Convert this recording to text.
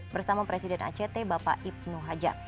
bersama presiden act bapak ibnu hajar